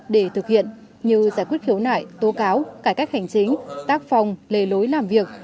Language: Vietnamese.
để thực hiện như giải quyết khiếu nại tố cáo cải cách hành chính tác phòng lề lối làm việc